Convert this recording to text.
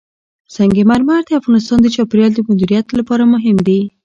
سنگ مرمر د افغانستان د چاپیریال د مدیریت لپاره مهم دي.